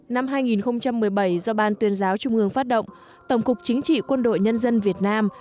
năm hai nghìn một mươi bảy do ban tuyên giáo trung ương phát động tổng cục chính trị quân đội nhân dân việt nam